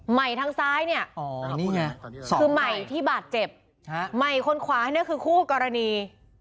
ใหม่ทางซ้ายเนี่ยอ๋อนี่ไงคือใหม่ที่บาดเจ็บใหม่คนขวาเนี่ยคือคู่กรณี